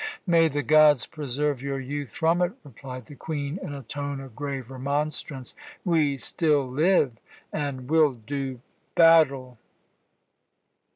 "May the gods preserve your youth from it!" replied the Queen in a tone of grave remonstrance. "We still live and will do battle."